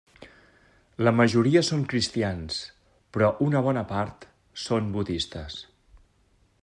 La majoria són cristians però una bona part són budistes.